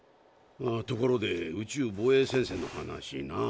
ああところで宇宙防衛戦線の話なあ。